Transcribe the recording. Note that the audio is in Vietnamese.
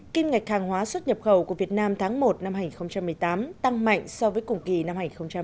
kim ngạch hàng hóa xuất nhập khẩu của việt nam tháng một năm hai nghìn một mươi tám tăng mạnh so với cùng kỳ năm hai nghìn một mươi tám